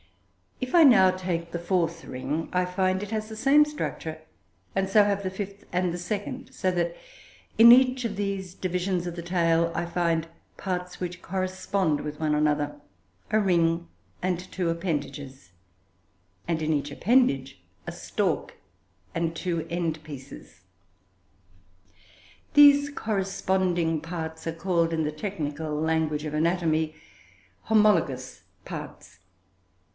If I now take the fourth ring, I find it has the same structure, and so have the fifth and the second; so that, in each of these divisions of the tail, I find parts which correspond with one another, a ring and two appendages; and in each appendage a stalk and two end pieces. These corresponding parts are called, in the technical language of anatomy, "homologous parts."